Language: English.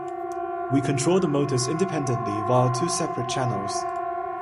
We control the motors independently, via two separate channels.